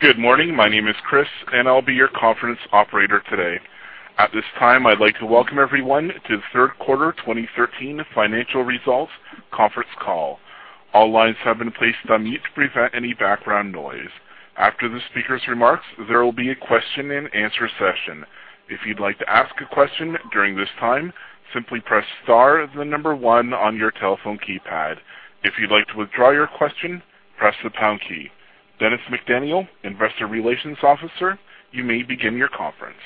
Good morning. My name is Chris, and I'll be your conference operator today. At this time, I'd like to welcome everyone to the third quarter 2013 financial results conference call. All lines have been placed on mute to prevent any background noise. After the speaker's remarks, there will be a question and answer session. If you'd like to ask a question during this time, simply press star then the number one on your telephone keypad. If you'd like to withdraw your question, press the pound key. Dennis McDaniel, investor relations officer, you may begin your conference.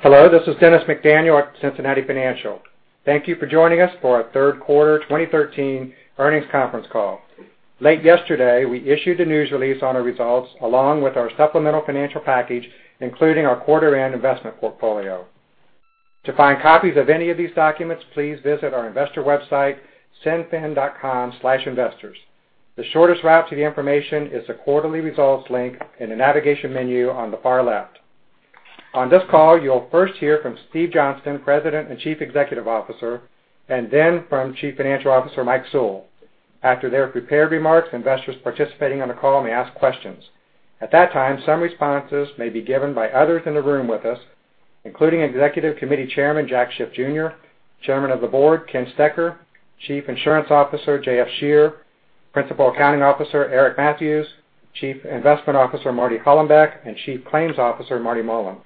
Hello, this is Dennis McDaniel at Cincinnati Financial. Thank you for joining us for our third quarter 2013 earnings conference call. Late yesterday, we issued a news release on our results along with our supplemental financial package, including our quarter end investment portfolio. To find copies of any of these documents, please visit our investor website, cinfin.com/investors. The shortest route to the information is the quarterly results link in the navigation menu on the far left. On this call, you'll first hear from Steven Johnston, President and Chief Executive Officer, and then from Chief Financial Officer Mike Sewell. After their prepared remarks, investors participating on the call may ask questions. At that time, some responses may be given by others in the room with us, including Executive Committee Chairman John J. Schiff, Jr., Chairman of the Board Kenneth W. Stecher, Chief Insurance Officer J.F. Scherer, Principal Accounting Officer Eric M. Mathews, Chief Investment Officer Martin F. Hollenbeck, and Chief Claims Officer Martin J. Mullen.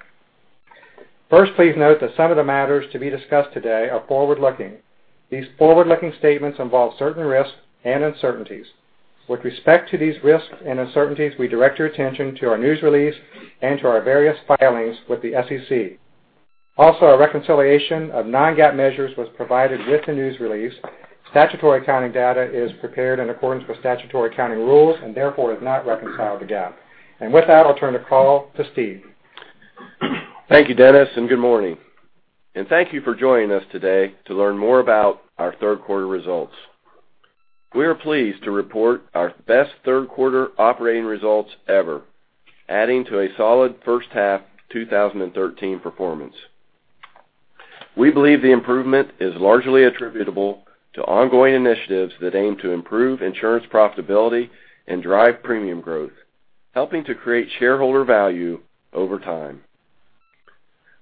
Please note that some of the matters to be discussed today are forward-looking. These forward-looking statements involve certain risks and uncertainties. With respect to these risks and uncertainties, we direct your attention to our news release and to our various filings with the SEC. A reconciliation of non-GAAP measures was provided with the news release. Statutory accounting data is prepared in accordance with statutory accounting rules and therefore is not reconciled to GAAP. With that, I'll turn the call to Steve. Thank you, Dennis, and good morning, and thank you for joining us today to learn more about our third quarter results. We are pleased to report our best third quarter operating results ever, adding to a solid first half 2013 performance. We believe the improvement is largely attributable to ongoing initiatives that aim to improve insurance profitability and drive premium growth, helping to create shareholder value over time.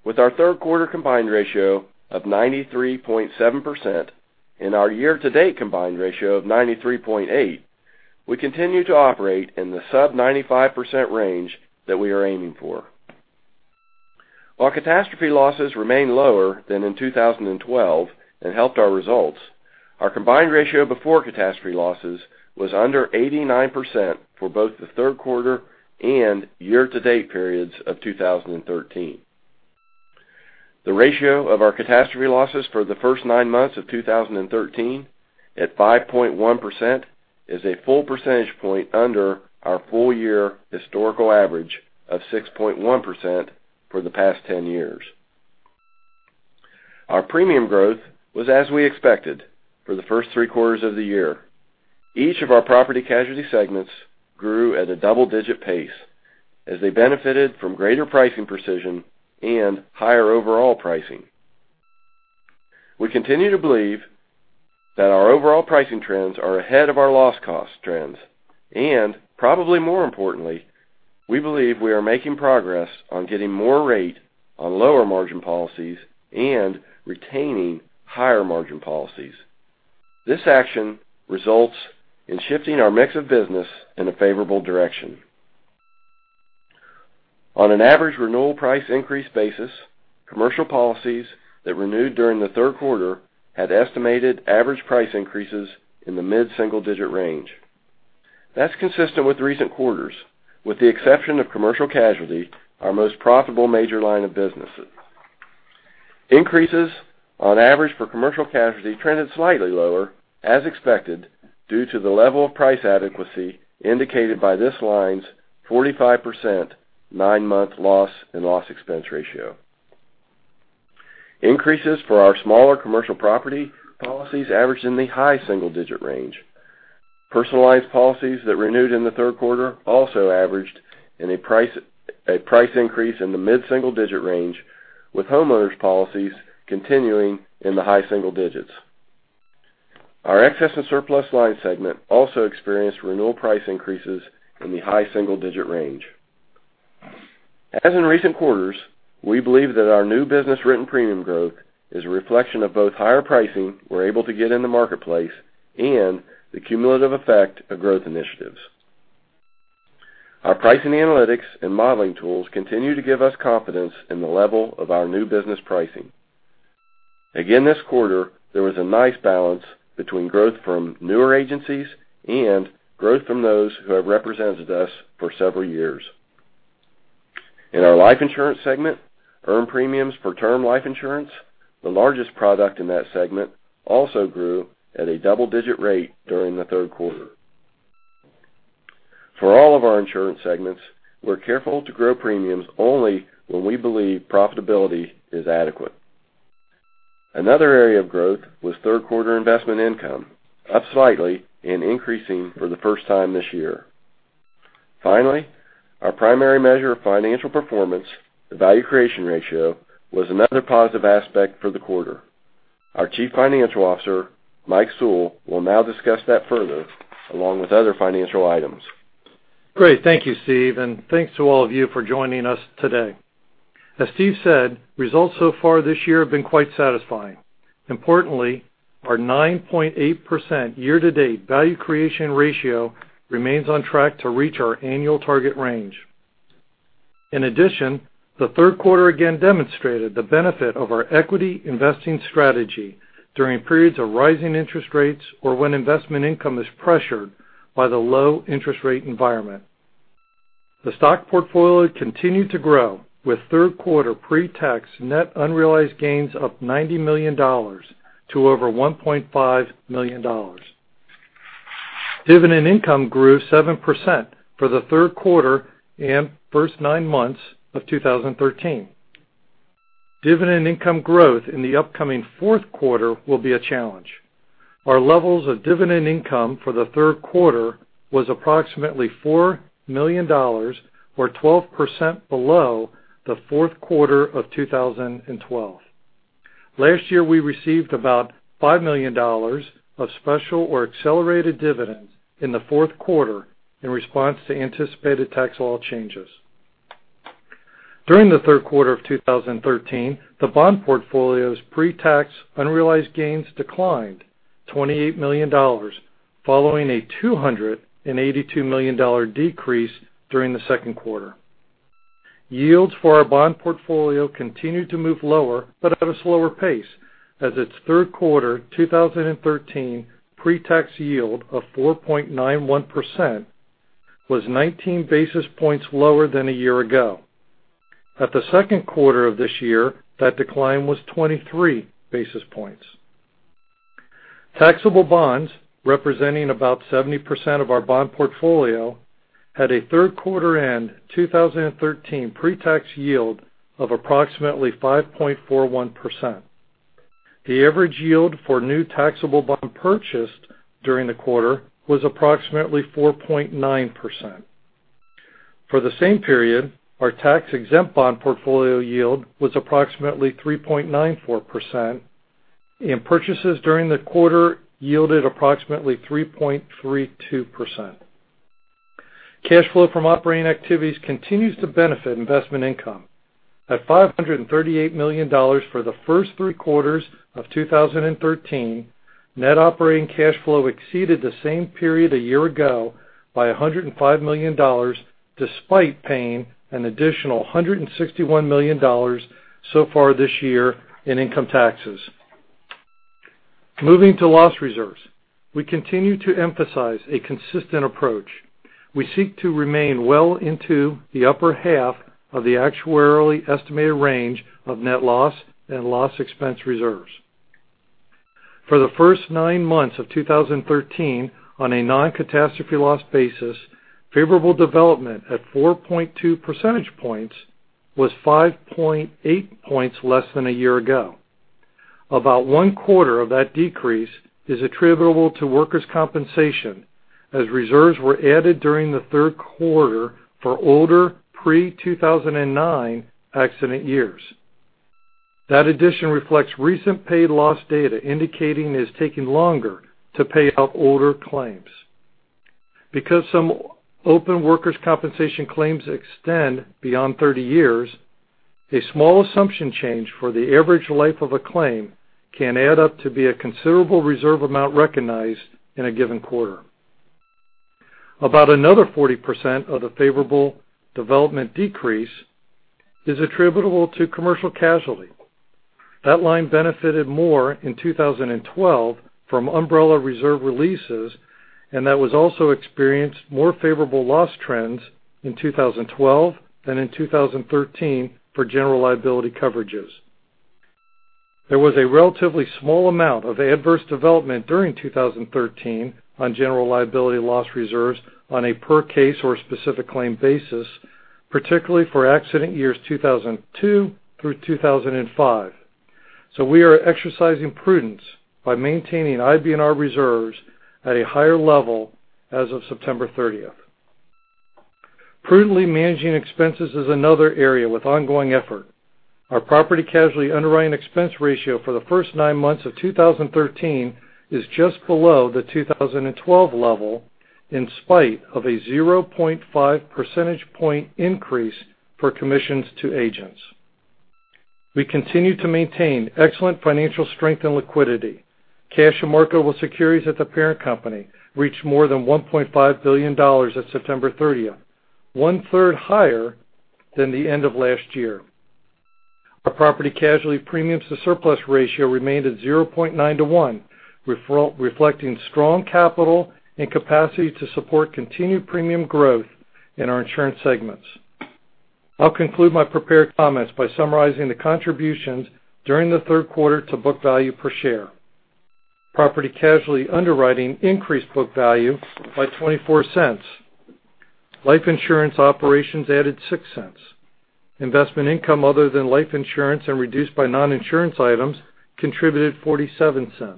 With our third quarter combined ratio of 93.7% and our year-to-date combined ratio of 93.8%, we continue to operate in the sub 95% range that we are aiming for. While catastrophe losses remain lower than in 2012 and helped our results, our combined ratio before catastrophe losses was under 89% for both the third quarter and year-to-date periods of 2013. The ratio of our catastrophe losses for the first nine months of 2013, at 5.1%, is a full percentage point under our full year historical average of 6.1% for the past 10 years. Our premium growth was as we expected for the first three quarters of the year. Each of our property casualty segments grew at a double-digit pace as they benefited from greater pricing precision and higher overall pricing. We continue to believe that our overall pricing trends are ahead of our loss cost trends, and probably more importantly, we believe we are making progress on getting more rate on lower margin policies and retaining higher margin policies. This action results in shifting our mix of business in a favorable direction. On an average renewal price increase basis, commercial policies that renewed during the third quarter had estimated average price increases in the mid-single-digit range. That's consistent with recent quarters, with the exception of commercial casualty, our most profitable major line of businesses. Increases on average for commercial casualty trended slightly lower, as expected, due to the level of price adequacy indicated by this line's 45% nine-month loss and loss expense ratio. Increases for our smaller commercial property policies averaged in the high-single-digit range. Personal lines policies that renewed in the third quarter also averaged a price increase in the mid-single-digit range with homeowners policies continuing in the high single digits. Our Excess and Surplus line segment also experienced renewal price increases in the high-single-digit range. As in recent quarters, we believe that our new business written premium growth is a reflection of both higher pricing we're able to get in the marketplace and the cumulative effect of growth initiatives. Our pricing analytics and modeling tools continue to give us confidence in the level of our new business pricing. Again this quarter, there was a nice balance between growth from newer agencies and growth from those who have represented us for several years. In our life insurance segment, earned premiums for term life insurance, the largest product in that segment, also grew at a double-digit rate during the third quarter. For all of our insurance segments, we're careful to grow premiums only when we believe profitability is adequate. Another area of growth was third quarter investment income, up slightly and increasing for the first time this year. Finally, our primary measure of financial performance, the value creation ratio, was another positive aspect for the quarter. Our Chief Financial Officer, Mike Sewell, will now discuss that further, along with other financial items. Great. Thank you, Steve, and thanks to all of you for joining us today. As Steve said, results so far this year have been quite satisfying. Importantly, our 9.8% year-to-date value creation ratio remains on track to reach our annual target range. In addition, the third quarter again demonstrated the benefit of our equity investing strategy during periods of rising interest rates or when investment income is pressured by the low interest rate environment. The stock portfolio continued to grow with third quarter pre-tax net unrealized gains of $90 million to over $1.5 million. Dividend income grew 7% for the third quarter and first nine months of 2013. Dividend income growth in the upcoming fourth quarter will be a challenge. Our levels of dividend income for the third quarter was approximately $4 million or 12% below the fourth quarter of 2012. Last year, we received about $5 million of special or accelerated dividends in the fourth quarter in response to anticipated tax law changes. During the third quarter of 2013, the bond portfolio's pre-tax unrealized gains declined $28 million, following a $282 million decrease during the second quarter. Yields for our bond portfolio continued to move lower but at a slower pace, as its third quarter 2013 pre-tax yield of 4.91% was 19 basis points lower than a year ago. At the second quarter of this year, that decline was 23 basis points. Taxable bonds, representing about 70% of our bond portfolio, had a third quarter end 2013 pre-tax yield of approximately 5.41%. The average yield for new taxable bond purchased during the quarter was approximately 4.9%. For the same period, our tax-exempt bond portfolio yield was approximately 3.94%, and purchases during the quarter yielded approximately 3.32%. Cash flow from operating activities continues to benefit investment income. At $538 million for the first three quarters of 2013, net operating cash flow exceeded the same period a year ago by $105 million, despite paying an additional $161 million so far this year in income taxes. Moving to loss reserves, we continue to emphasize a consistent approach. We seek to remain well into the upper half of the actuarially estimated range of net loss and loss expense reserves. For the first nine months of 2013 on a non-catastrophe loss basis, favorable development at 4.2 percentage points was 5.8 points less than a year ago. About one-quarter of that decrease is attributable to workers' compensation as reserves were added during the third quarter for older pre-2009 accident years. That addition reflects recent paid loss data indicating it is taking longer to pay out older claims. Because some open workers' compensation claims extend beyond 30 years, a small assumption change for the average life of a claim can add up to be a considerable reserve amount recognized in a given quarter. About another 40% of the favorable development decrease is attributable to commercial casualty. That line benefited more in 2012 from umbrella reserve releases, and that was also experienced more favorable loss trends in 2012 than in 2013 for general liability coverages. There was a relatively small amount of adverse development during 2013 on general liability loss reserves on a per case or specific claim basis, particularly for accident years 2002 through 2005. We are exercising prudence by maintaining IBNR reserves at a higher level as of September 30th. Prudently managing expenses is another area with ongoing effort. Our property & casualty underwriting expense ratio for the first nine months of 2013 is just below the 2012 level in spite of a 0.5 percentage point increase for commissions to agents. We continue to maintain excellent financial strength and liquidity. Cash and marketable securities at the parent company reached more than $1.5 billion at September 30th, one-third higher than the end of last year. Our property & casualty premiums to surplus ratio remained at 0.9 to one, reflecting strong capital and capacity to support continued premium growth in our insurance segments. I'll conclude my prepared comments by summarizing the contributions during the third quarter to book value per share. Property & casualty underwriting increased book value by $0.24. Life insurance operations added $0.06. Investment income other than life insurance and reduced by non-insurance items contributed $0.47.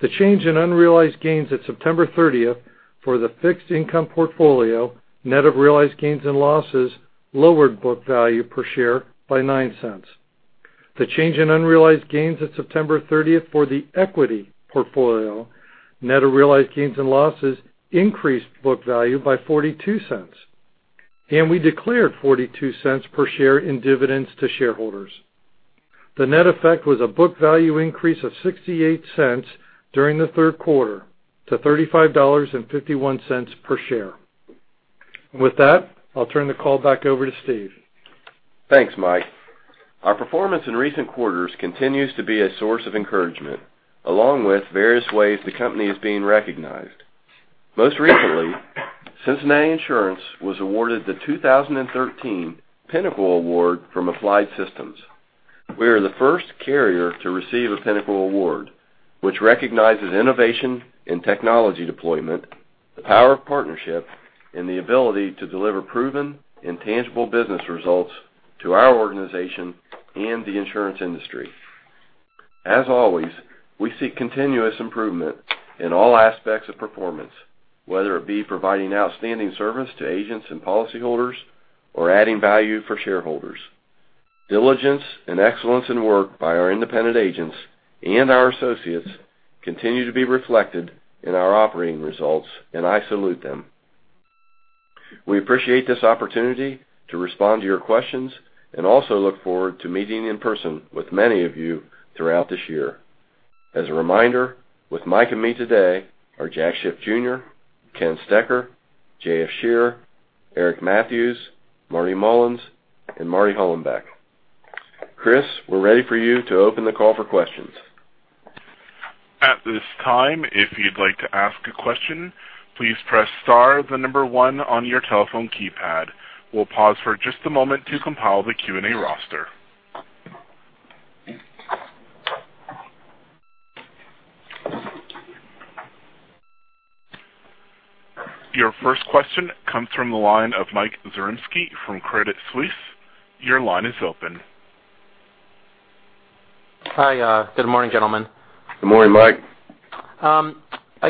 The change in unrealized gains at September 30th for the fixed income portfolio, net of realized gains and losses, lowered book value per share by $0.09. The change in unrealized gains at September 30th for the equity portfolio, net of realized gains and losses, increased book value by $0.42. We declared $0.42 per share in dividends to shareholders. The net effect was a book value increase of $0.68 during the third quarter to $35.51 per share. With that, I'll turn the call back over to Steve. Thanks, Mike. Our performance in recent quarters continues to be a source of encouragement, along with various ways the company is being recognized. Most recently, Cincinnati Insurance was awarded the 2013 Pinnacle Award from Applied Systems. We are the first carrier to receive a Pinnacle Award, which recognizes innovation in technology deployment, the power of partnership, and the ability to deliver proven and tangible business results to our organization and the insurance industry. As always, we seek continuous improvement in all aspects of performance, whether it be providing outstanding service to agents and policyholders or adding value for shareholders. Diligence and excellence in work by our independent agents and our associates continue to be reflected in our operating results, and I salute them. We appreciate this opportunity to respond to your questions and also look forward to meeting in person with many of you throughout this year. As a reminder, with Mike and me today are Jack Schiff Jr., Ken Stecher, J.F. Scherer, Eric Mathews, Marty Mullen, and Marty Hollenbeck. Chris, we're ready for you to open the call for questions. At this time, if you'd like to ask a question, please press star, the number one on your telephone keypad. We'll pause for just a moment to compile the Q&A roster. Your first question comes from the line of Michael Zaremski from Credit Suisse. Your line is open. Hi. Good morning, gentlemen. Good morning, Mike. I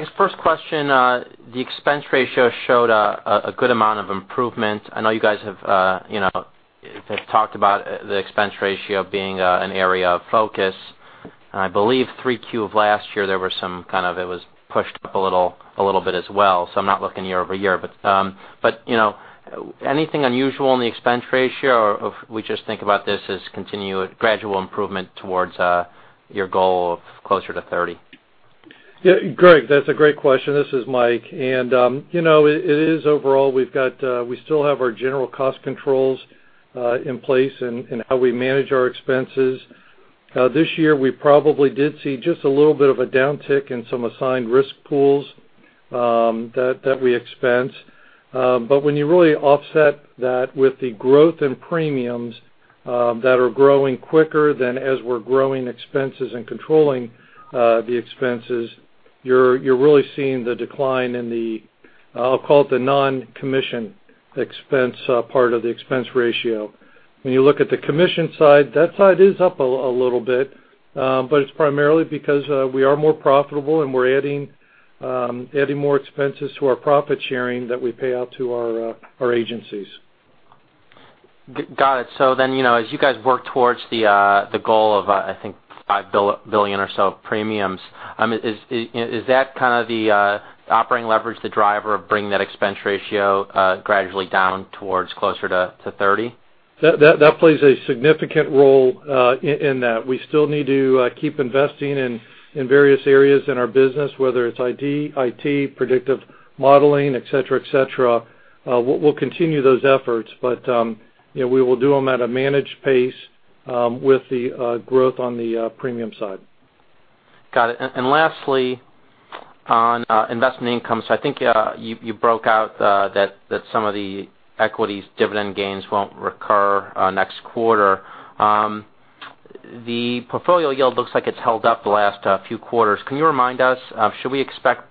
guess first question, the expense ratio showed a good amount of improvement. I know you guys have talked about the expense ratio being an area of focus, and I believe 3Q of last year, it was pushed up a little bit as well. I'm not looking year-over-year, but anything unusual in the expense ratio, or we just think about this as gradual improvement towards your goal of closer to 30? Greg, that's a great question. This is Mike. It is overall, we still have our general cost controls in place in how we manage our expenses. This year, we probably did see just a little bit of a downtick in some assigned risk pools that we expense. When you really offset that with the growth in premiums that are growing quicker than as we're growing expenses and controlling the expenses, you're really seeing the decline in the, I'll call it the non-commission expense part of the expense ratio. When you look at the commission side, that side is up a little bit, but it's primarily because we are more profitable and we're adding more expenses to our profit sharing that we pay out to our agencies. Got it. As you guys work towards the goal of, I think, $5 billion or so of premiums, is that kind of the operating leverage, the driver of bringing that expense ratio gradually down towards closer to 30%? That plays a significant role in that. We still need to keep investing in various areas in our business, whether it's IT, predictive modeling, et cetera. We'll continue those efforts, but we will do them at a managed pace with the growth on the premium side. Got it. Lastly, on investment income, I think you broke out that some of the equities dividend gains won't recur next quarter. The portfolio yield looks like it's held up the last few quarters. Can you remind us, should we expect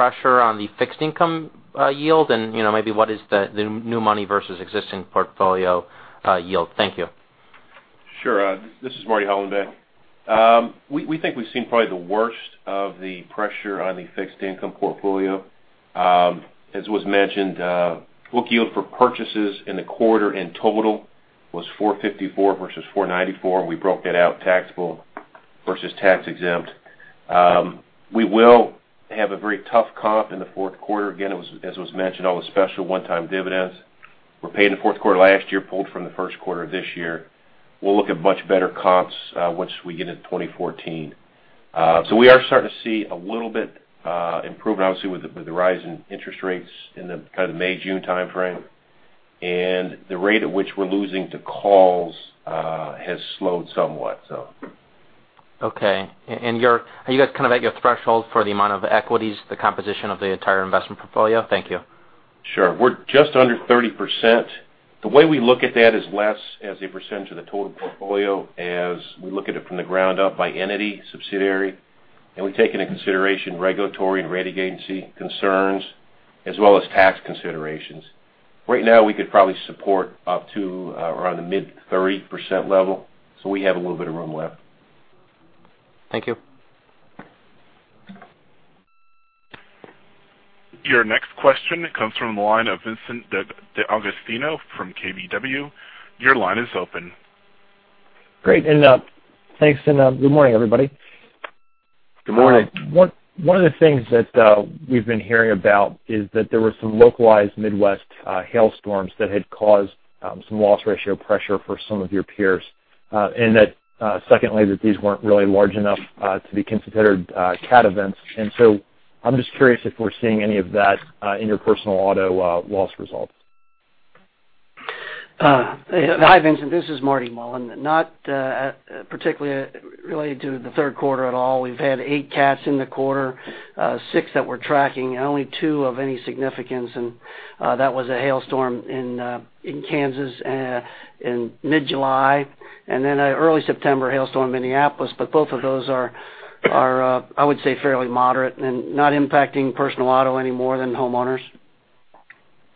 pressure on the fixed income yield? Maybe what is the new money versus existing portfolio yield? Thank you. Sure. This is Marty Hollenbeck. We think we've seen probably the worst of the pressure on the fixed income portfolio. As was mentioned, book yield for purchases in the quarter in total was 454 versus 494, and we broke that out taxable versus tax exempt. We will have a very tough comp in the fourth quarter. Again, as was mentioned, all the special one-time dividends were paid in the fourth quarter last year, pulled from the first quarter of this year. We will look at much better comps once we get into 2014. We are starting to see a little bit improvement, obviously, with the rise in interest rates in the kind of May, June timeframe. The rate at which we're losing to calls has slowed somewhat. Okay. Are you guys kind of at your threshold for the amount of equities, the composition of the entire investment portfolio? Thank you. Sure. We're just under 30%. The way we look at that is less as a percent of the total portfolio as we look at it from the ground up by entity subsidiary, and we take into consideration regulatory and rating agency concerns as well as tax considerations. Right now, we could probably support up to around the mid 30% level. We have a little bit of room left. Thank you. Your next question comes from the line of Vincent DeAgostino from KBW. Your line is open. Thanks, and good morning, everybody. Good morning. One of the things that we've been hearing about is that there were some localized Midwest hailstorms that had caused some loss ratio pressure for some of your peers. And that secondly, that these weren't really large enough to be considered cat events. So I'm just curious if we're seeing any of that in your personal auto loss results. Hi, Vincent, this is Marty Mullen. Not particularly related to the third quarter at all. We've had eight CATs in the quarter, six that we're tracking and only two of any significance, and that was a hailstorm in Kansas in mid-July. Then an early September hailstorm in Minneapolis. Both of those are, I would say, fairly moderate and not impacting personal auto any more than homeowners.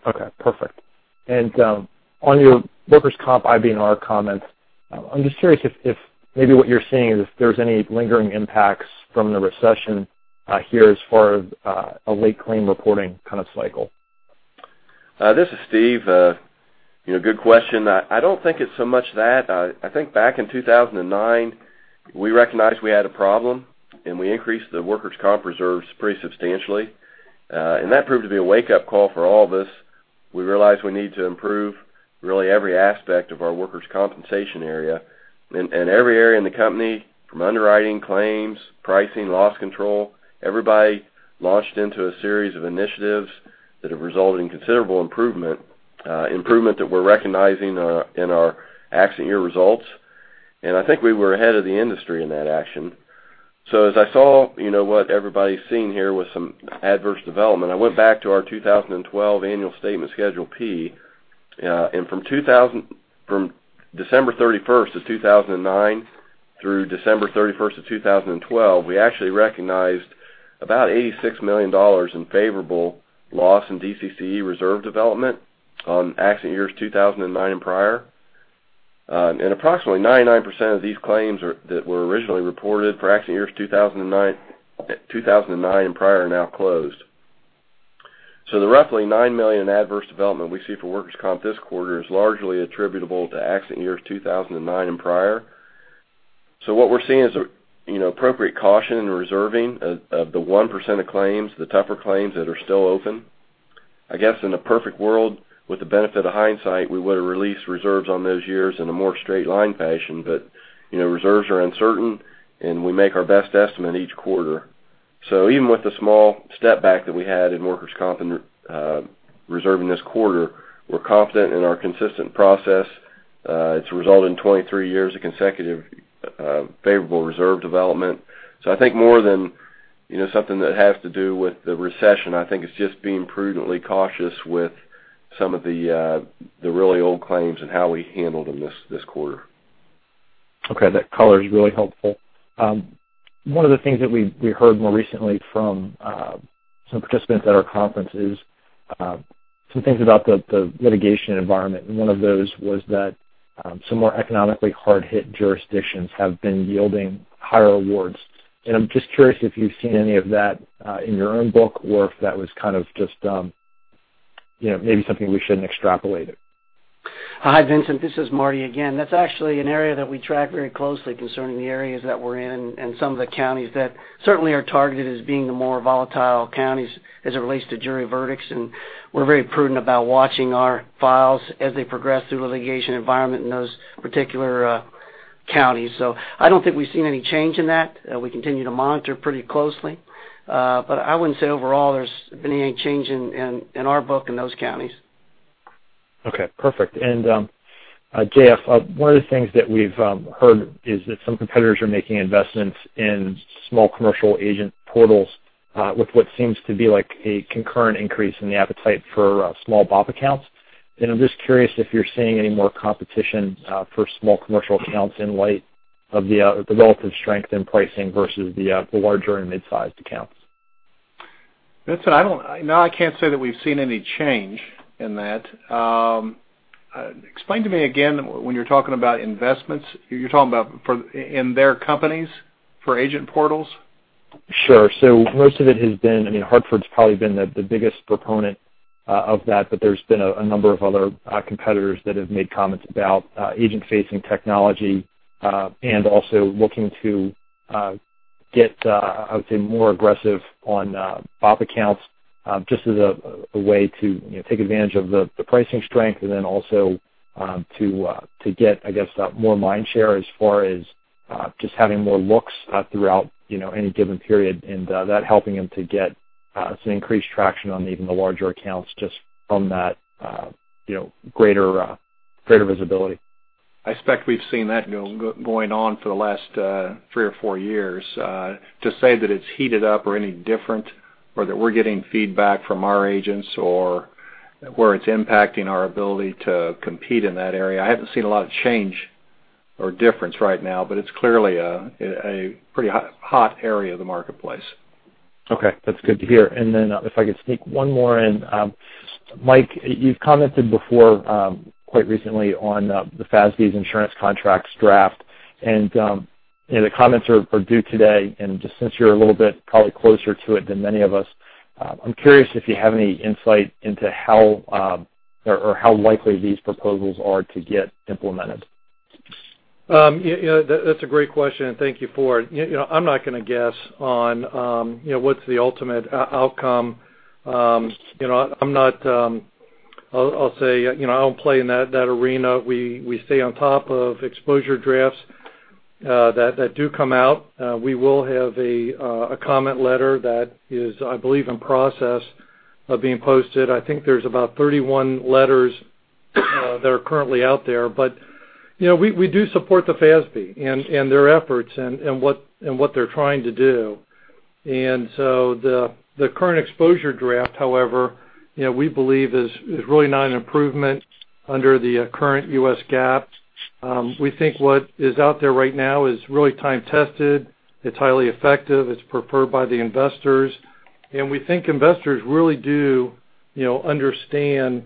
Okay, perfect. On your workers' comp IBNR comments, I'm just curious if maybe what you're seeing is if there's any lingering impacts from the recession here as far as a late claim reporting kind of cycle. This is Steve. Good question. I don't think it's so much that. I think back in 2009, we recognized we had a problem, and we increased the workers' comp reserves pretty substantially. That proved to be a wake-up call for all of us. We realized we need to improve really every aspect of our workers' compensation area and every area in the company from underwriting, claims, pricing, loss control. Everybody launched into a series of initiatives that have resulted in considerable improvement. Improvement that we're recognizing in our accident year results. I think we were ahead of the industry in that action. As I saw what everybody's seeing here with some adverse development, I went back to our 2012 annual statement Schedule P, and from December 31st of 2009 through December 31st of 2012, we actually recognized about $86 million in favorable loss in DCCE reserve development on accident years 2009 and prior. Approximately 99% of these claims that were originally reported for accident years 2009 and prior are now closed. The roughly $9 million adverse development we see for workers' comp this quarter is largely attributable to accident years 2009 and prior. What we're seeing is appropriate caution in the reserving of the 1% of claims, the tougher claims that are still open. I guess in a perfect world, with the benefit of hindsight, we would have released reserves on those years in a more straight line fashion. Reserves are uncertain, and we make our best estimate each quarter. Even with the small step back that we had in workers' comp and reserving this quarter, we're confident in our consistent process. It's a result in 23 years of consecutive favorable reserve development. I think more than something that has to do with the recession, I think it's just being prudently cautious with some of the really old claims and how we handled them this quarter. Okay. That color is really helpful. One of the things that we heard more recently from some participants at our conference is some things about the litigation environment, and one of those was that some more economically hard-hit jurisdictions have been yielding higher awards. I'm just curious if you've seen any of that in your own book or if that was kind of just maybe something we shouldn't extrapolate it. Hi, Vincent. This is Marty again. That's actually an area that we track very closely concerning the areas that we're in and some of the counties that certainly are targeted as being the more volatile counties as it relates to jury verdicts. We're very prudent about watching our files as they progress through the litigation environment in those particular counties. I don't think we've seen any change in that. We continue to monitor pretty closely. I wouldn't say overall there's been any change in our book in those counties. Okay, perfect. J.F., one of the things that we've heard is that some competitors are making investments in small commercial agent portals with what seems to be like a concurrent increase in the appetite for small BOP accounts. I'm just curious if you're seeing any more competition for small commercial accounts in light of the relative strength in pricing versus the larger and mid-sized accounts. Vincent, no, I can't say that we've seen any change in that. Explain to me again, when you're talking about investments, you're talking about in their companies for agent portals? Most of it has been, Hartford's probably been the biggest proponent of that, but there's been a number of other competitors that have made comments about agent-facing technology and also looking to get, I would say, more aggressive on BOP accounts just as a way to take advantage of the pricing strength and then also to get, I guess, more mind share as far as just having more looks throughout any given period and that helping them to get some increased traction on even the larger accounts just from that greater visibility. I expect we've seen that going on for the last three or four years. To say that it's heated up or any different, or that we're getting feedback from our agents, or where it's impacting our ability to compete in that area, I haven't seen a lot of change or difference right now, but it's clearly a pretty hot area of the marketplace. Okay. That's good to hear. If I could sneak one more in. Mike, you've commented before, quite recently, on the FASB's insurance contracts draft, the comments are due today. Just since you're a little bit probably closer to it than many of us, I'm curious if you have any insight into how or how likely these proposals are to get implemented. That's a great question, and thank you for it. I'm not going to guess on what's the ultimate outcome. I'll say, I don't play in that arena. We stay on top of exposure drafts that do come out. We will have a comment letter that is, I believe, in process of being posted. I think there's about 31 letters that are currently out there. We do support the FASB and their efforts and what they're trying to do. The current exposure draft, however, we believe is really not an improvement under the current US GAAP. We think what is out there right now is really time-tested. It's highly effective. It's preferred by the investors. We think investors really do understand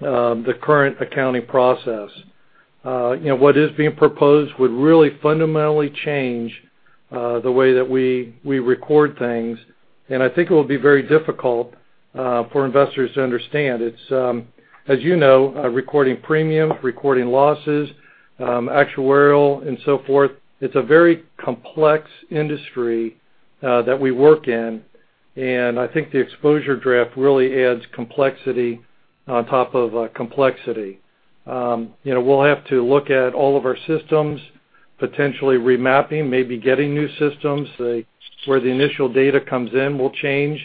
the current accounting process. What is being proposed would really fundamentally change the way that we record things, and I think it will be very difficult for investors to understand. It's, as you know, recording premium, recording losses, actuarial and so forth. It's a very complex industry that we work in, and I think the exposure draft really adds complexity on top of complexity. We'll have to look at all of our systems, potentially remapping, maybe getting new systems. Where the initial data comes in will change.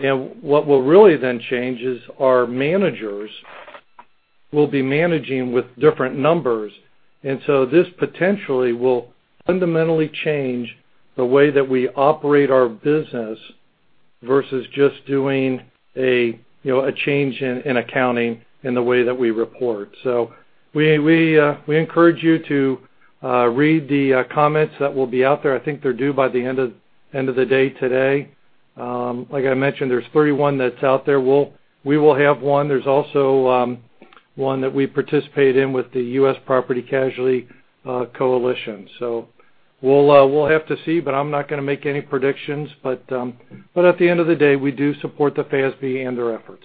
What will really then change is our managers will be managing with different numbers. This potentially will fundamentally change the way that we operate our business versus just doing a change in accounting in the way that we report. We encourage you to read the comments that will be out there. I think they're due by the end of the day today. Like I mentioned, there's 31 that's out there. We will have one. There's also one that we participate in with the U.S. Property Casualty Coalition. We'll have to see, but I'm not going to make any predictions, but at the end of the day, we do support the FASB and their efforts.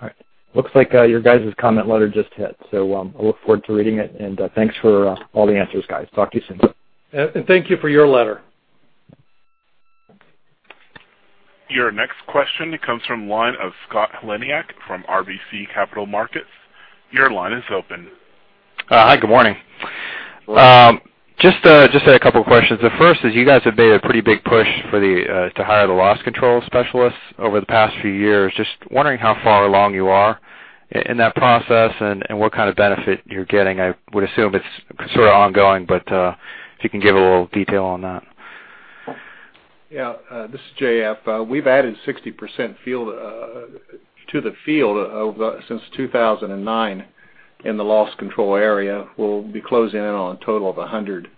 All right. Looks like your guys' comment letter just hit. I look forward to reading it, and thanks for all the answers, guys. Talk to you soon. thank you for your letter. Your next question comes from the line of Scott Heleniak from RBC Capital Markets. Your line is open. Hi, good morning. Good morning. Just had a couple of questions. The first is you guys have made a pretty big push to hire the loss control specialists over the past few years. Just wondering how far along you are in that process and what kind of benefit you're getting. I would assume it's sort of ongoing, but if you can give a little detail on that. Yeah. This is J.F. We've added 60% to the field since 2009 in the loss control area. We'll be closing in on a total of 100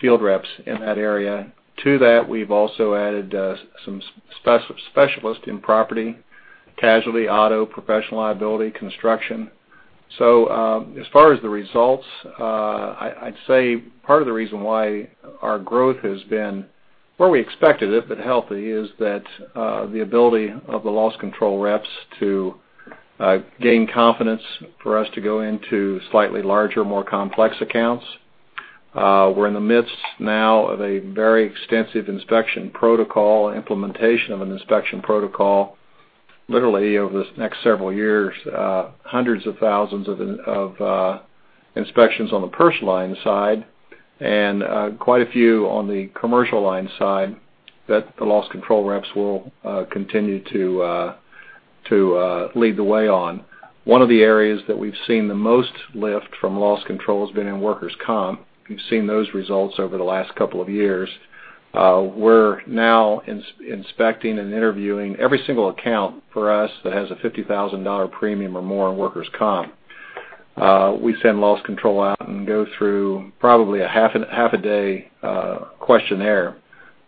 field reps in that area. To that, we've also added some specialists in property, casualty, auto, professional liability, construction. As far as the results, I'd say part of the reason why our growth has been where we expected it, but healthy, is that the ability of the loss control reps to gain confidence for us to go into slightly larger, more complex accounts. We're in the midst now of a very extensive inspection protocol, implementation of an inspection protocol, literally over this next several years, hundreds of thousands of inspections on the personal line side and quite a few on the commercial line side that the loss control reps will continue to lead the way on. One of the areas that we've seen the most lift from loss control has been in workers' comp. You've seen those results over the last couple of years. We're now inspecting and interviewing every single account for us that has a $50,000 premium or more in workers' comp. We send loss control out and go through probably a half a day questionnaire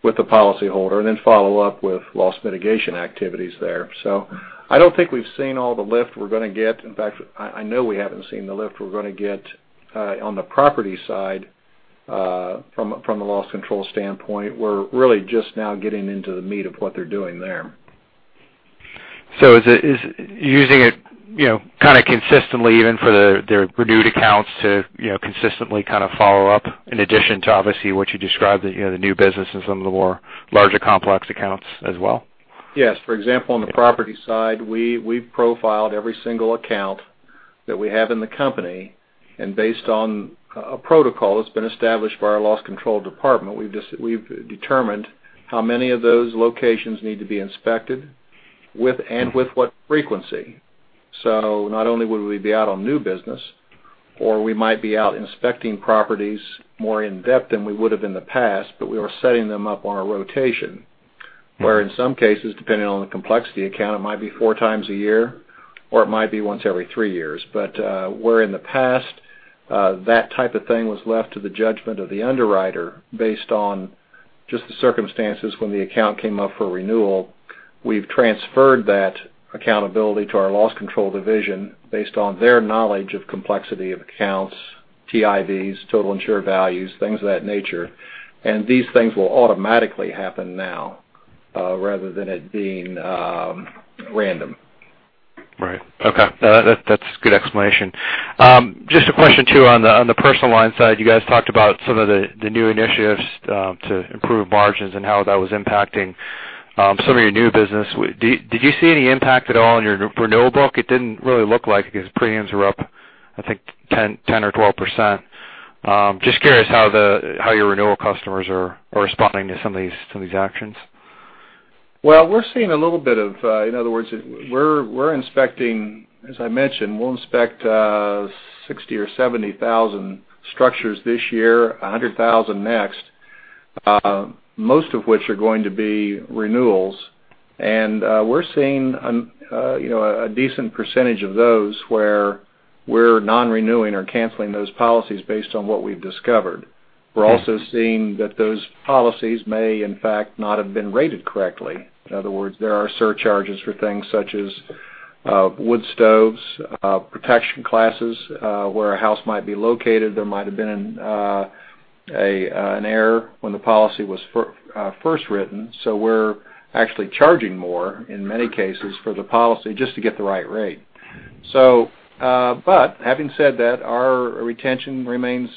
with the policyholder and then follow up with loss mitigation activities there. I don't think we've seen all the lift we're going to get. In fact, I know we haven't seen the lift we're going to get on the property side from a loss control standpoint. We're really just now getting into the meat of what they're doing there. Is it using it kind of consistently, even for their renewed accounts to consistently kind of follow up in addition to obviously what you described, the new business and some of the more larger complex accounts as well? Yes. For example, on the property side, we profiled every single account that we have in the company, and based on a protocol that's been established by our loss control department, we've determined how many of those locations need to be inspected and with what frequency. Not only would we be out on new business, or we might be out inspecting properties more in-depth than we would have in the past, but we are setting them up on a rotation where in some cases, depending on the complexity account, it might be four times a year or it might be once every three years. Where in the past, that type of thing was left to the judgment of the underwriter based on just the circumstances when the account came up for renewal, we've transferred that accountability to our loss control division based on their knowledge of complexity of accounts, TIVs, total insured values, things of that nature. These things will automatically happen now rather than it being random. Right. Okay. That's a good explanation. Just a question too on the personal line side, you guys talked about some of the new initiatives to improve margins and how that was impacting some of your new business. Did you see any impact at all on your renewal book? It didn't really look like it because premiums were up, I think 10% or 12%. Just curious how your renewal customers are responding to some of these actions. Well, we're seeing a little bit of, in other words, we're inspecting, as I mentioned, we'll inspect 60,000 or 70,000 structures this year, 100,000 next, most of which are going to be renewals. We're seeing a decent percentage of those where we're non-renewing or canceling those policies based on what we've discovered. We're also seeing that those policies may in fact not have been rated correctly. In other words, there are surcharges for things such as wood stoves, protection classes, where a house might be located. There might have been an error when the policy was first written, so we're actually charging more in many cases for the policy just to get the right rate. Having said that, our retention remains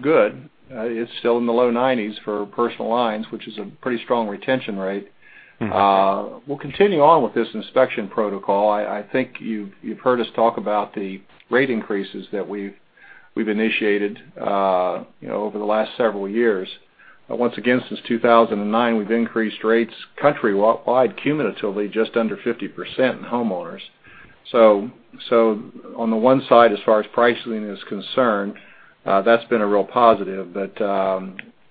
good. It's still in the low 90s for personal lines, which is a pretty strong retention rate. We'll continue on with this inspection protocol. I think you've heard us talk about the rate increases that we've initiated over the last several years. Once again, since 2009, we've increased rates countrywide cumulatively just under 50% in homeowners. On the one side, as far as pricing is concerned, that's been a real positive.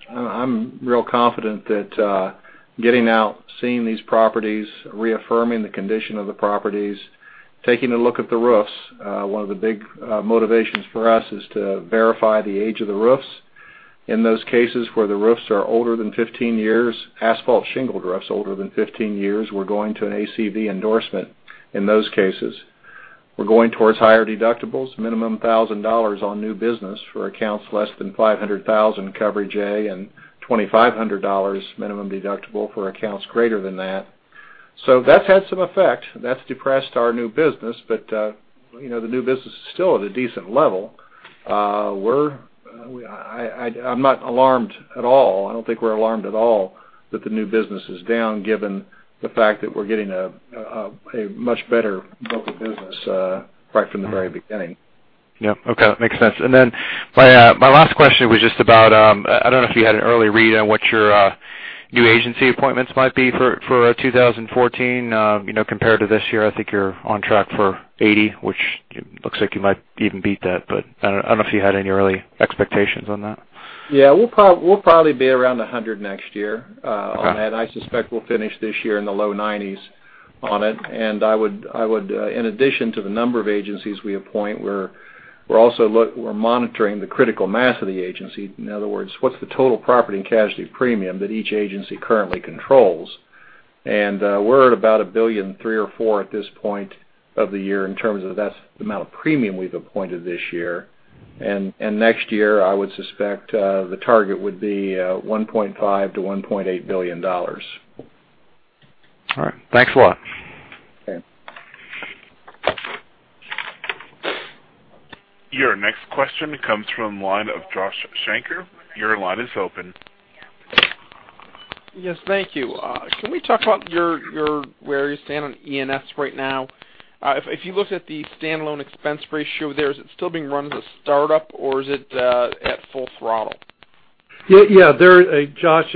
I'm real confident that getting out, seeing these properties, reaffirming the condition of the properties, taking a look at the roofs. One of the big motivations for us is to verify the age of the roofs. In those cases where the roofs are older than 15 years, asphalt shingled roofs older than 15 years, we're going to an ACV endorsement in those cases. We're going towards higher deductibles, minimum $1,000 on new business for accounts less than 500,000 coverage A and $2,500 minimum deductible for accounts greater than that. That's had some effect. That's depressed our new business, but the new business is still at a decent level. I'm not alarmed at all. I don't think we're alarmed at all that the new business is down given the fact that we're getting a much better book of business right from the very beginning. Yep. Okay. That makes sense. My last question was just about, I don't know if you had an early read on what your new agency appointments might be for 2014 compared to this year. I think you're on track for 80, which looks like you might even beat that, but I don't know if you had any early expectations on that. Yeah, we'll probably be around 100 next year on that. Okay. I suspect we'll finish this year in the low 90s on it. I would, in addition to the number of agencies we appoint, we're also monitoring the critical mass of the agency. In other words, what's the total property and casualty premium that each agency currently controls? We're at about $1 billion, three or four at this point of the year in terms of that's the amount of premium we've appointed this year. Next year, I would suspect, the target would be $1.5 billion-$1.8 billion. All right. Thanks a lot. Okay. Your next question comes from the line of Joshua Shanker. Your line is open. Yes. Thank you. Can we talk about where you stand on E&S right now? If you looked at the standalone expense ratio there, is it still being run as a startup or is it at full throttle? Yeah. Josh,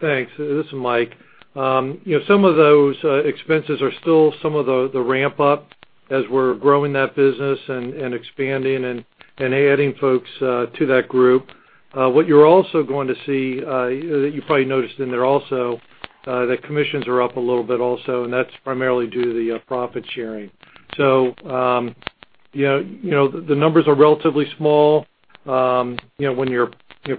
thanks. This is Mike. Some of those expenses are still some of the ramp up as we're growing that business and expanding and adding folks to that group. What you're also going to see, that you probably noticed in there also, that commissions are up a little bit also, and that's primarily due to the profit sharing. The numbers are relatively small when you're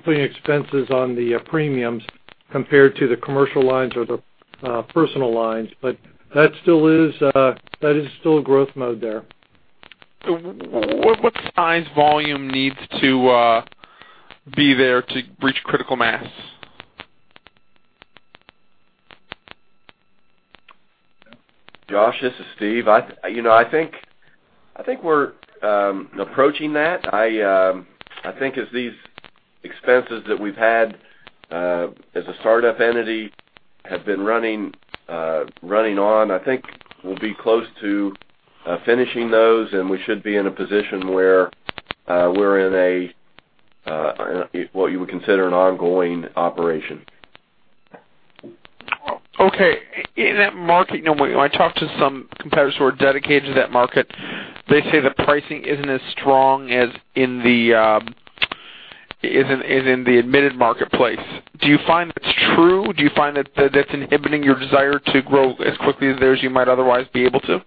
putting expenses on the premiums compared to the commercial lines or the personal lines. That is still a growth mode there. What size volume needs to be there to reach critical mass? Josh, this is Steve. I think we're approaching that. I think as these expenses that we've had as a startup entity have been running on, I think we'll be close to finishing those, and we should be in a position where we're in a what you would consider an ongoing operation. Okay. In that market, when I talk to some competitors who are dedicated to that market, they say the pricing isn't as strong as in the admitted marketplace. Do you find that's true? Do you find that's inhibiting your desire to grow as quickly as you might otherwise be able to?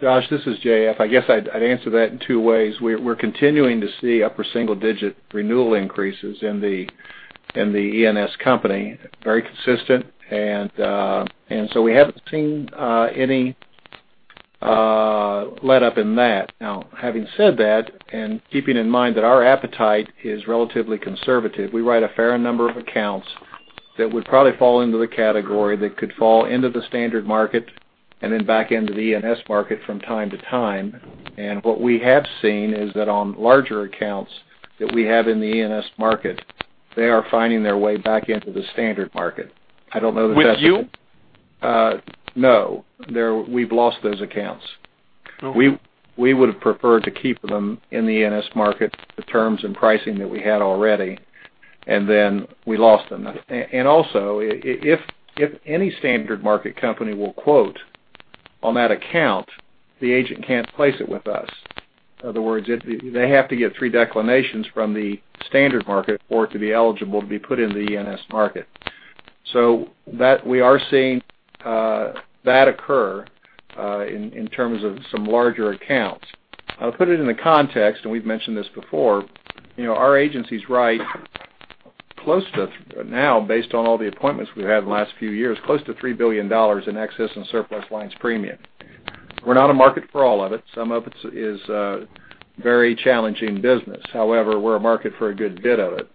Josh, this is J.F. I guess I'd answer that in two ways. We're continuing to see upper single-digit renewal increases in the E&S company, very consistent. We haven't seen any letup in that. Having said that, and keeping in mind that our appetite is relatively conservative, we write a fair number of accounts that would probably fall into the category that could fall into the standard market and then back into the E&S market from time to time. What we have seen is that on larger accounts that we have in the E&S market, they are finding their way back into the standard market. I don't know that that's. With you? No. We've lost those accounts. Okay. We would've preferred to keep them in the E&S market, the terms and pricing that we had already, then we lost them. Also, if any standard market company will quote on that account, the agent can't place it with us. In other words, they have to get three declinations from the standard market for it to be eligible to be put in the E&S market. We are seeing that occur in terms of some larger accounts. I'll put it in the context, and we've mentioned this before. Our agencies write close to, now based on all the appointments we've had in the last few years, close to $3 billion in excess and surplus lines premium. We're not a market for all of it. Some of it is very challenging business. However, we're a market for a good bit of it.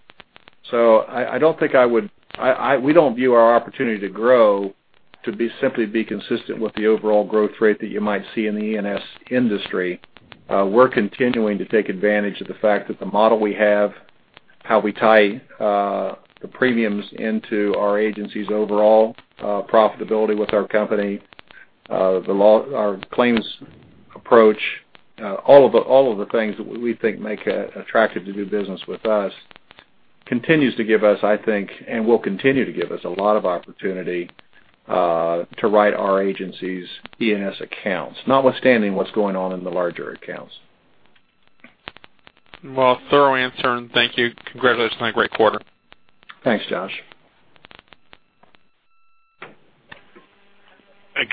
We don't view our opportunity to grow to be simply be consistent with the overall growth rate that you might see in the E&S industry. We're continuing to take advantage of the fact that the model we have, how we tie the premiums into our agency's overall profitability with our company, our claims approach, all of the things that we think make attractive to do business with us continues to give us, I think, and will continue to give us a lot of opportunity to write our agency's E&S accounts, notwithstanding what's going on in the larger accounts. Thorough answer and thank you. Congratulations on a great quarter. Thanks, Josh.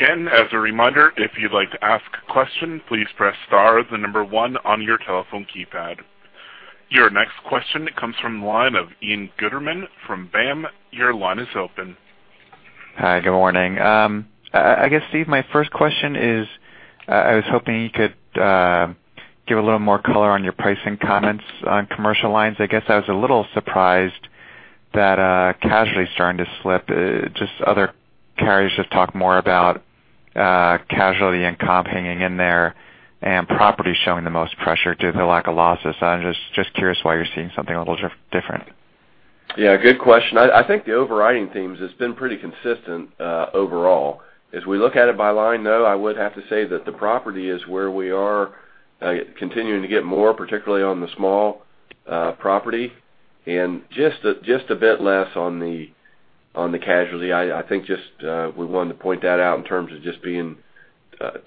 As a reminder, if you'd like to ask a question, please press star, the number 1 on your telephone keypad. Your next question comes from the line of Ian Gutterman from BAM. Your line is open. Hi. Good morning. I guess, Steve, my first question is, I was hoping you could give a little more color on your pricing comments on commercial lines. I guess I was a little surprised that casualty's starting to slip. Other carriers just talk more about casualty and comp hanging in there and property showing the most pressure due to the lack of losses. I'm just curious why you're seeing something a little different. Yeah, good question. I think the overriding themes has been pretty consistent overall. As we look at it by line, though, I would have to say that the property is where we are continuing to get more, particularly on the small property, and just a bit less on the casualty. I think just we wanted to point that out in terms of just being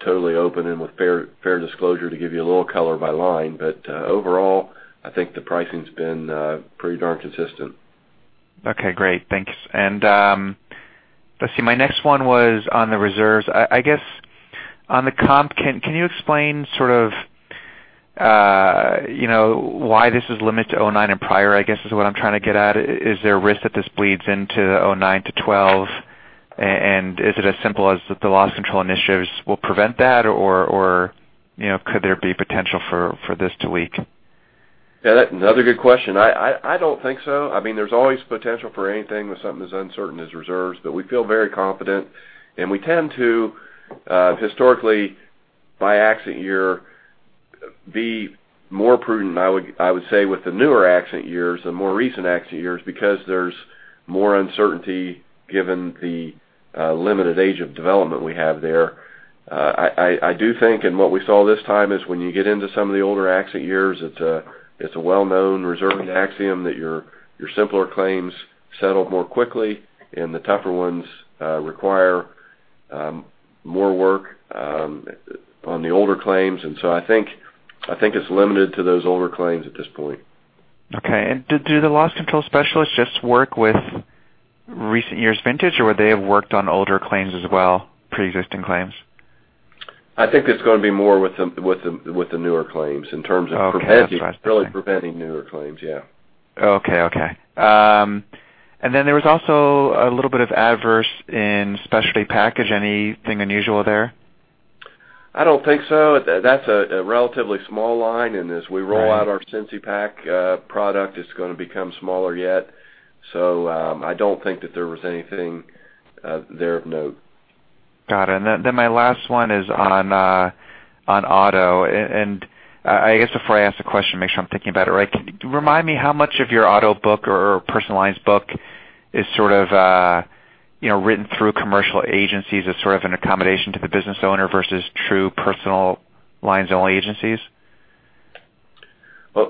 totally open and with fair disclosure to give you a little color by line. Overall, I think the pricing's been pretty darn consistent. Okay, great. Thanks. Let's see, my next one was on the reserves. I guess on the comp, can you explain sort of why this is limited to '09 and prior, I guess, is what I'm trying to get at. Is there a risk that this bleeds into '09 to '12? Is it as simple as that the loss control initiatives will prevent that, or could there be potential for this to leak? Yeah, another good question. I don't think so. There's always potential for anything when something as uncertain as reserves, but we feel very confident, and we tend to, historically, by accident year, be more prudent, I would say, with the newer accident years, the more recent accident years, because there's more uncertainty given the limited age of development we have there. I do think, and what we saw this time is when you get into some of the older accident years, it's a well-known reserving axiom that your simpler claims settle more quickly and the tougher ones require more work on the older claims. I think it's limited to those older claims at this point. Do the loss control specialists just work with recent years vintage, or they have worked on older claims as well, preexisting claims? I think it's going to be more with the newer claims in terms of preventing- Okay. That's what I was thinking. really preventing newer claims, yeah. Okay. There was also a little bit of adverse in specialty package. Anything unusual there? I don't think so. That's a relatively small line, as we roll out our CincyPac product, it's going to become smaller yet. I don't think that there was anything there of note. Got it. My last one is on auto. I guess before I ask the question, make sure I'm thinking about it right. Remind me how much of your auto book or personal lines book is sort of written through commercial agencies as sort of an accommodation to the business owner versus true personal lines only agencies?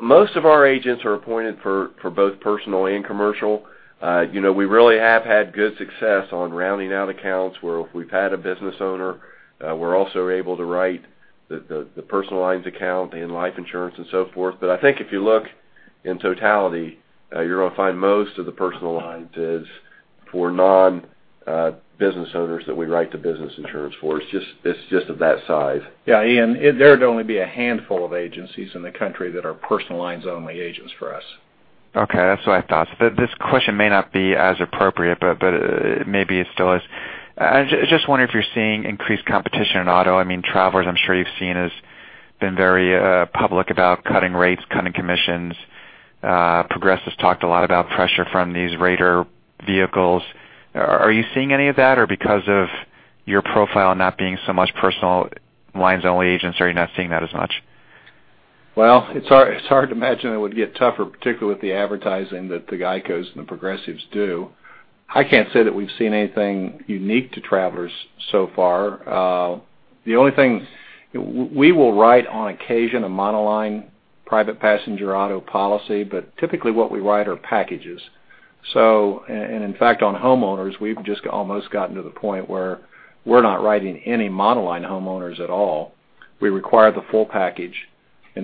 Most of our agents are appointed for both personal and commercial. We really have had good success on rounding out accounts where if we've had a business owner, we're also able to write The personal lines account in life insurance and so forth. I think if you look in totality, you're going to find most of the personal lines is for non-business owners that we write the business insurance for. It's just of that size. Ian, there'd only be a handful of agencies in the country that are personal lines only agents for us. Okay. That's what I thought. This question may not be as appropriate, but maybe it still is. I just wonder if you're seeing increased competition in auto. Travelers, I'm sure you've seen, has been very public about cutting rates, cutting commissions. Progressive's talked a lot about pressure from these rater vehicles. Are you seeing any of that? Or because of your profile not being so much personal lines only agents, are you not seeing that as much? It's hard to imagine it would get tougher, particularly with the advertising that the GEICOs and the Progressives do. I can't say that we've seen anything unique to Travelers so far. The only thing, we will write on occasion a monoline private passenger auto policy, but typically what we write are packages. In fact, on homeowners, we've just almost gotten to the point where we're not writing any monoline homeowners at all. We require the full package.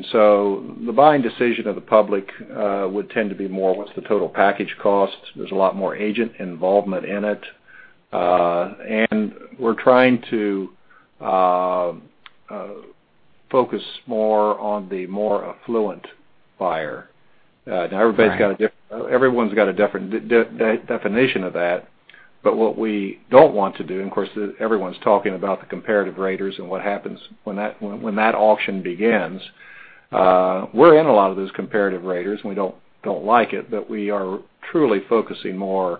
The buying decision of the public would tend to be more, what's the total package cost? There's a lot more agent involvement in it. We're trying to focus more on the more affluent buyer. Right. Everyone's got a different definition of that. What we don't want to do, and of course, everyone's talking about the comparative raters and what happens when that auction begins. We're in a lot of those comparative raters, and we don't like it, but we are truly focusing more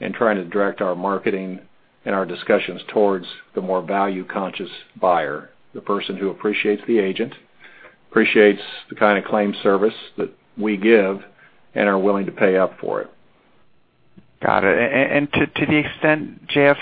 and trying to direct our marketing and our discussions towards the more value conscious buyer. The person who appreciates the agent, appreciates the kind of claim service that we give and are willing to pay up for it. Got it. To the extent, J.F.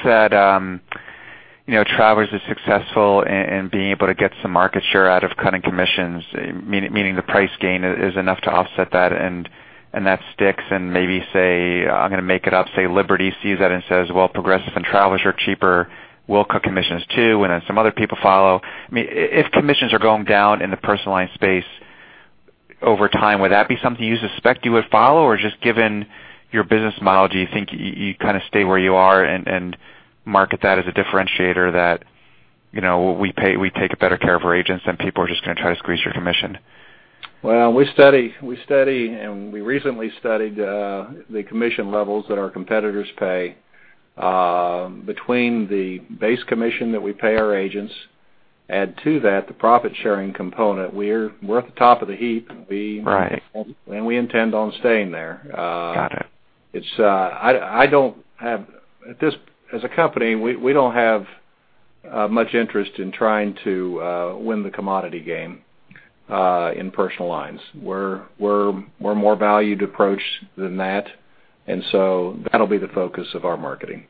said Travelers is successful in being able to get some market share out of cutting commissions, meaning the price gain is enough to offset that, and that sticks and maybe say, I'm going to make it up, say Liberty sees that and says, "Progressive and Travelers are cheaper. We'll cut commissions too." Then some other people follow. If commissions are going down in the personal line space over time, would that be something you suspect you would follow? Or just given your business model, do you think you kind of stay where you are and market that as a differentiator that we take better care of our agents than people who are just going to try to squeeze your commission? We study and we recently studied the commission levels that our competitors pay. Between the base commission that we pay our agents, add to that the profit sharing component, we're at the top of the heap. Right. We intend on staying there. Got it. As a company, we don't have much interest in trying to win the commodity game in personal lines. We're more valued approach than that. That'll be the focus of our marketing.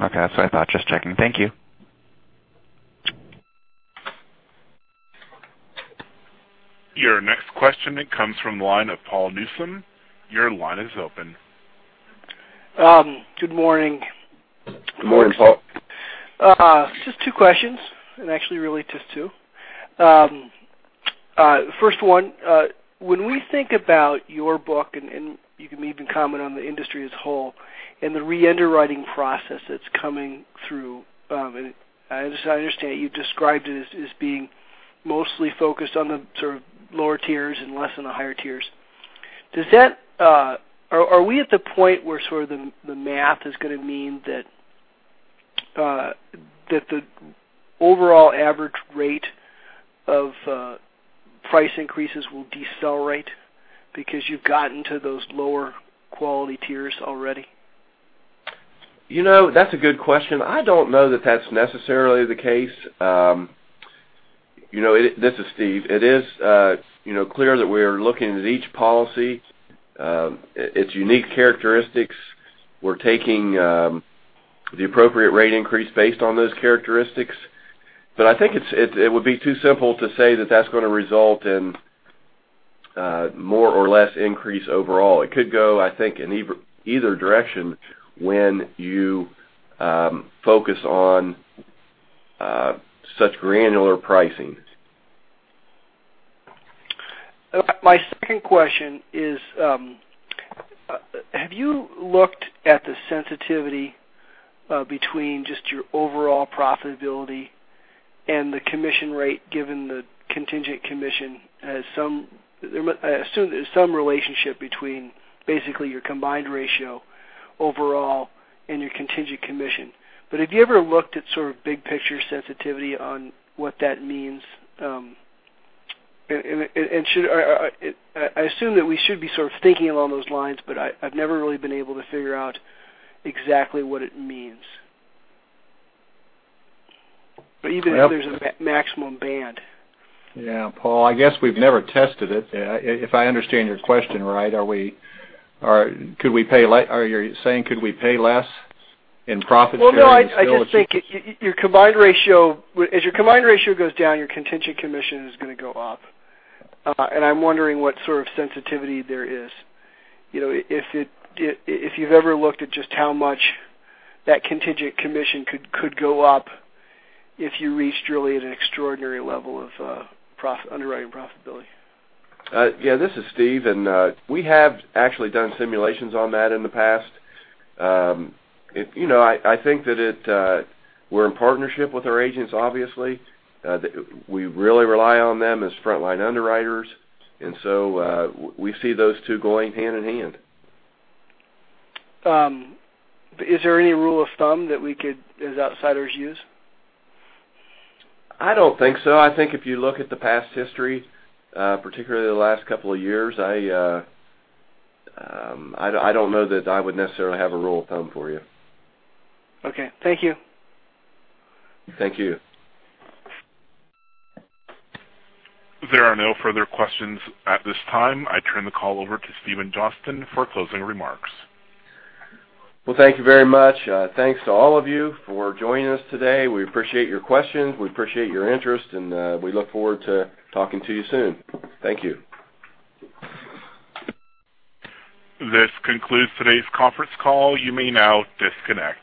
Okay. That's what I thought. Just checking. Thank you. Your next question comes from the line of Paul Newsome. Your line is open. Good morning. Good morning, Paul. Just two questions. Actually really just two. First one, when we think about your book, and you can even comment on the industry as whole and the reunderwriting process that's coming through. As I understand it, you described it as being mostly focused on the sort of lower tiers and less on the higher tiers. Are we at the point where sort of the math is going to mean that the overall average rate of price increases will decelerate because you've gotten to those lower quality tiers already? That's a good question. I don't know that that's necessarily the case. This is Steve. It is clear that we are looking at each policy, its unique characteristics. We're taking the appropriate rate increase based on those characteristics. I think it would be too simple to say that that's going to result in more or less increase overall. It could go, I think, in either direction when you focus on such granular pricing. My second question is, have you looked at the sensitivity between just your overall profitability and the commission rate given the contingent commission? I assume there's some relationship between basically your combined ratio overall and your contingent commission. Have you ever looked at sort of big picture sensitivity on what that means? I assume that we should be sort of thinking along those lines, but I've never really been able to figure out exactly what it means. Even if there's a maximum band. Yeah, Paul. I guess we've never tested it. If I understand your question right, are you saying could we pay less in profit sharing still? No, I just think as your combined ratio goes down, your contingent commission is going to go up. I'm wondering what sort of sensitivity there is. If you've ever looked at just how much that contingent commission could go up if you reached really at an extraordinary level of underwriting profitability. Yeah, this is Steve, and we have actually done simulations on that in the past. I think that we're in partnership with our agents, obviously. We really rely on them as frontline underwriters. We see those two going hand in hand. Is there any rule of thumb that we could, as outsiders, use? I don't think so. I think if you look at the past history, particularly the last couple of years, I don't know that I would necessarily have a rule of thumb for you. Okay. Thank you. Thank you. There are no further questions at this time. I turn the call over to Steven Johnston for closing remarks. Well, thank you very much. Thanks to all of you for joining us today. We appreciate your questions. We appreciate your interest, and we look forward to talking to you soon. Thank you. This concludes today's conference call. You may now disconnect.